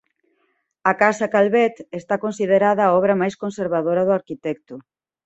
A Casa Calvet está considerada a obra máis conservadora do arquitecto.